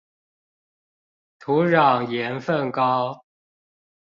土壤鹽分高